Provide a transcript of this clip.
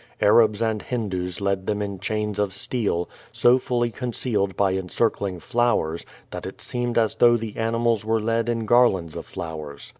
Arabs and Hindoos led them in chains of steely 80 fully concealed by encircling flowers, that it seemed as though the animals were led in garlands of flowers.